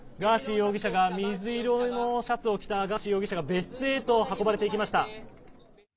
水色のシャツを着たガーシー容疑者が別室へと運ばれていきました。